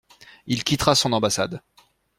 Il quittera son ambassade.